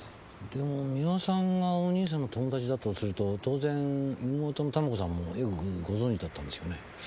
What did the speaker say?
でも三輪さんがお兄さんの友達だとすると当然妹の珠子さんもよくご存知だったんですよね？